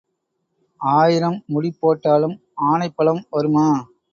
ஆயிரம் முடி போட்டாலும் ஆனைப் பலம் வருமா?